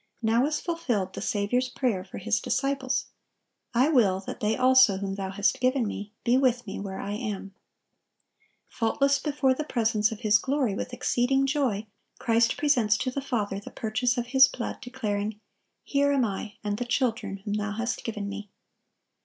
Now is fulfilled the Saviour's prayer for His disciples, "I will that they also whom Thou hast given Me be with Me where I am." "Faultless before the presence of His glory with exceeding joy,"(1120) Christ presents to the Father the purchase of His blood, declaring, "Here am I, and the children whom Thou hast given Me."